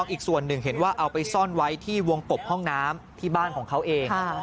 อีกส่วนหนึ่งเห็นว่าเอาไปซ่อนไว้ที่วงกบห้องน้ำที่บ้านของเขาเอง